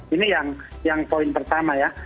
ini yang poin pertama ya